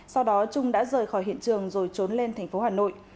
sau đó trung đã rời khỏi hiện trường rồi trốn lên tp hà nội